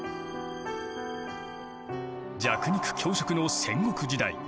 弱肉強食の戦国時代。